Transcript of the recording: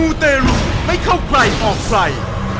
มูเตรุไม่เข้าใกล้ออกไฟ